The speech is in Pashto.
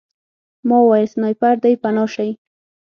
ما وویل سنایپر دی پناه شئ